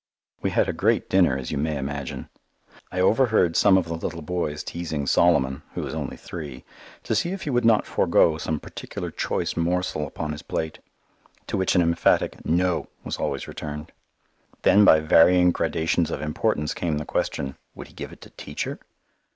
We had a great dinner, as you may imagine. I overheard some of the little boys teasing Solomon, who is only three, to see if he would not forgo some particular choice morsel upon his plate, to which an emphatic "no" was always returned. Then by varying gradations of importance came the question, would he give it to Teacher?